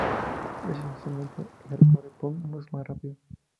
Es, esencialmente, "hardcore punk" mucho más rápido.